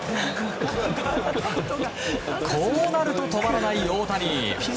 こうなると止まらない大谷。